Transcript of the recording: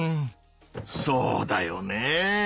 そうだよねぇ！